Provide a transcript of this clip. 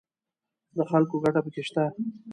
د خلکو ګټه پکې شته